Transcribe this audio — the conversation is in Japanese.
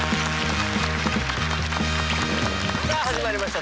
さあ始まりました